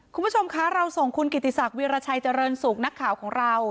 คุณผู้ชมคะเราส่งคุณกิติศักดิราชัยเจริญสุขนักข่าวของเรา